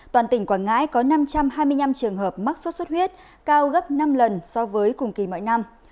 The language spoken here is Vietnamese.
toàn tỉnh quảng ngãi có năm trăm hai mươi năm trường hợp mắc suốt suốt huyết cao gấp năm lần so với cùng kỳ mỗi năm